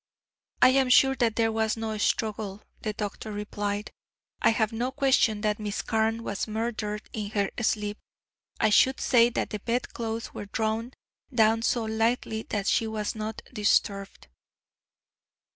"I am sure that there was no struggle," the doctor replied. "I have no question that Miss Carne was murdered in her sleep. I should say that the bedclothes were drawn down so lightly that she was not disturbed."